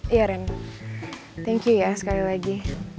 iya ren thank you ya sekali lagi